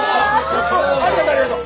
ありがとうありがとう。